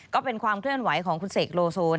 ก็เป็นความเคลื่อนไหวของคุณเสกโลโซน